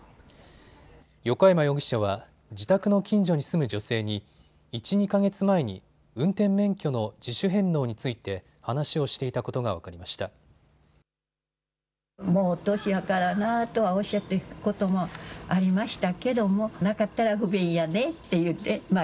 横山容疑者は自宅の近所に住む女性に１、２か月前に運転免許の自主返納について話をしていたことが分かりました。